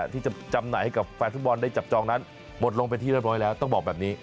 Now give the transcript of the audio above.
ที่จะจำหน่ายให้กับแฟนฟุตบอลได้จับจองนั้นหมดลงเป็นที่เรียบร้อยแล้วต้องบอกแบบนี้